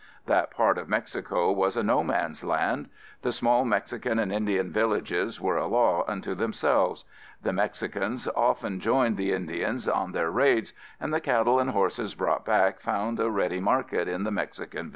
That part of Mexico was a no man's land. The small Mexican and Indian villages were a law unto themselves. The Mexicans often joined the Indians on their raids, and the cattle and horses brought back found a ready market in the Mexican villages.